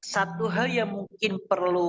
satu hal yang mungkin perlu